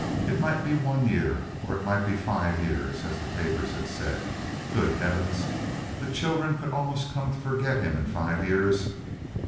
It might be one year or it might be five years, as the papers had said. Good heavens! The children could almost come to forget him in five years.